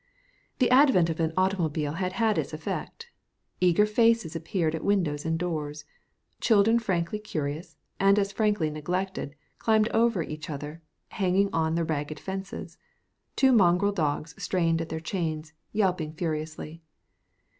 The advent of an automobile had had its effect. Eager faces appeared at windows and doors. Children frankly curious and as frankly neglected climbed over each other, hanging on the ragged fences. Two mongrel dogs strained at their chains, yelping furiously.